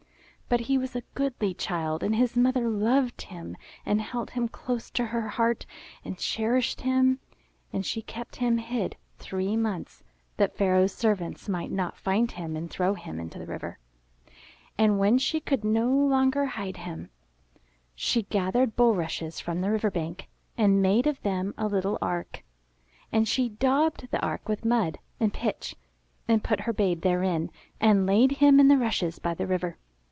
But he was a goodly child, and his mother loved him and held him close to her heart and cherished him. And she kept him hid three months that Pharaoh's servants might not find him and throw him into the river. And when she could no longer hide him, she 419 MY BOOK HOUSE gathered bulrushes from the river bank and made of them a little ark. And she daubed the ark with mud and pitch and put her babe therein, and laid him in the rushes by the river.